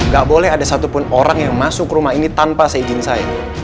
gak boleh ada satupun orang yang masuk rumah ini tanpa seizin saya